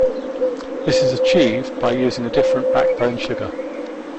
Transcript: This is achieved by using a different backbone sugar.